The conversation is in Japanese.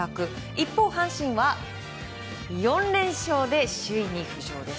一方、阪神は４連勝で首位に浮上です。